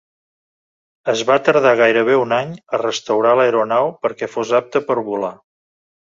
Es va tardar gairebé un any a restaurar l'aeronau perquè fos apta per volar.